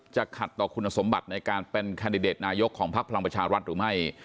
ขัดต่อคุณสมบัติในการเป็นแคนดิเดตนายกของพักพลังประชารัฐหรือไม่